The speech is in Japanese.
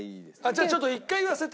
じゃあちょっと１回言わせて。